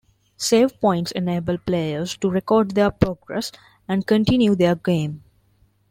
Save points enable players to record their progress and continue their game.